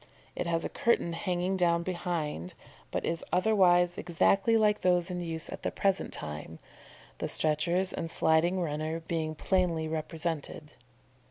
It has a curtain hanging down behind, but is otherwise exactly like those in use at the present time, the stretchers and sliding runner being plainly represented.